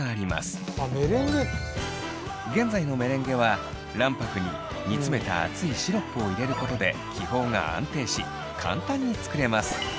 現在のメレンゲは卵白に煮詰めた熱いシロップを入れることで気泡が安定し簡単に作れます。